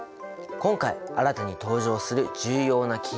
今回新たに登場する重要なキーワード